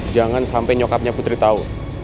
jangan sampai nyokapnya putri tahu